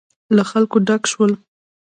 له خلکو ډک شول.